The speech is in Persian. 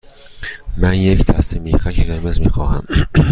من یک دسته میخک قرمز می خواهم.